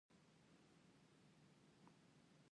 دوی پولیس او پوځ هم په خپل واک کې لري